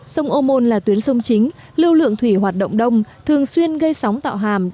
sông ô môn là tuyến sông chính lưu lượng thủy hoạt động đông thường xuyên gây sóng tạo hàm